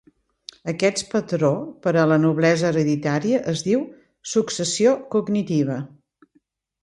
Aquest patró per a la noblesa hereditària es diu "successió cognitiva".